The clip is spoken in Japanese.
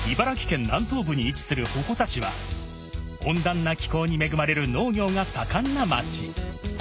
茨城県南東部に位置する鉾田市は、温暖な気候に恵まれる農業が盛んな町。